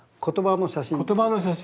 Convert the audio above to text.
言葉の写真。